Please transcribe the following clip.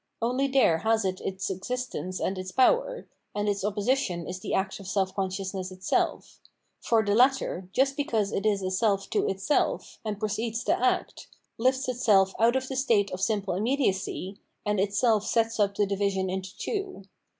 Only there has it its existence and its power ; and its opposition is the act of seK consciousness itself. For the latter, just because it is a self to itself, and proceeds to act, lifts itself out of the state of simple immediacy, and itself sets up the division into two.